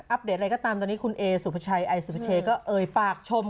ปเดตอะไรก็ตามตอนนี้คุณเอสุภาชัยไอสุพเชก็เอ่ยปากชม